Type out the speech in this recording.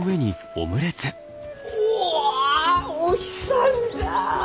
おおお日さんじゃ！